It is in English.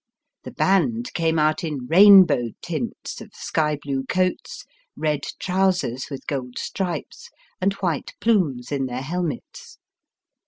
The band came out in rainbow tints of sky blue coats, red trousers with gold stripes, and white plumes in their helmets.